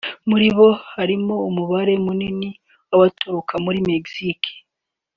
muri bo harimo umubare munini w’abaturuka muri Mexique